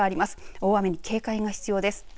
大雨に警戒が必要です。